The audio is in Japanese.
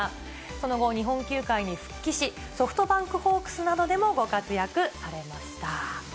その後、日本球界に復帰し、ソフトバンクホークスなどでもご活躍されました。